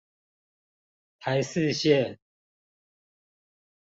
台四線